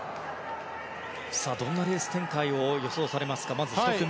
どんなレース展開を予想されますか？